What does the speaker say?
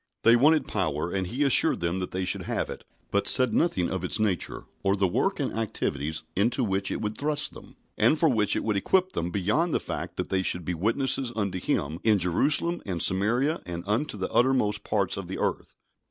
They wanted power, and He assured them that they should have it, but said nothing of its nature, or the work and activities into which it would thrust them, and for which it would equip them, beyond the fact that they should be witnesses unto Him "in Jerusalem and Samaria, and unto the uttermost parts of the earth."